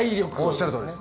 おっしゃるとおり。